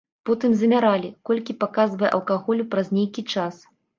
Потым замяралі, колькі паказвае алкаголю праз нейкі час.